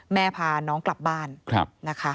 พาน้องกลับบ้านนะคะ